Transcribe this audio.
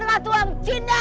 ratu hang cinda